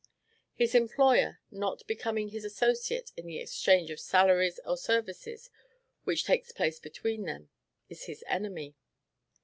His employer, not becoming his associate in the exchange of salaries or services which takes place between them, is his enemy.